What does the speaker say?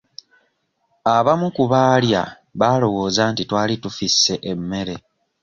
Abamu ku baalya baalowooza nti twali tufisse emmere.